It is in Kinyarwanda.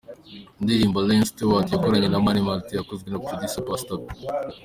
Indirimbo Iain Stewart yakoranye na Mani Martin yakozwe na Producer Pastor P.